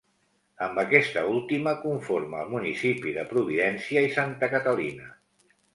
Amb aquesta última conforma el municipi de Providència i Santa Catalina.